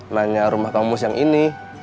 nanya rumah kamu siang ini